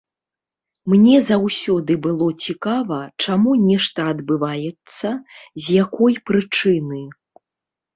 Мне заўсёды было цікава, чаму нешта адбываецца, з якой прычыны.